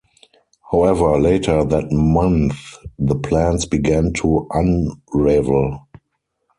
However, later that month the plans began to unravel.